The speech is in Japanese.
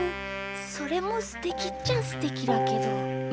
それもすてきっちゃすてきだけど。